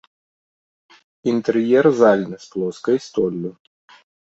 Інтэр'ер зальны з плоскай столлю.